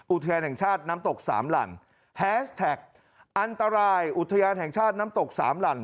อุทยานแห่งชาติน้ำตกสามหลั่นแฮชแท็กอันตรายอุทยานแห่งชาติน้ำตกสามหลั่น